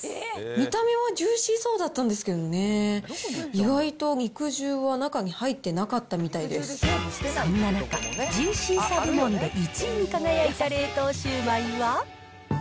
見た目はジューシーそうだったんですけどね、意外と肉汁は中に入そんな中、ジューシーさ部門で１位に輝いた冷凍シュウマイは。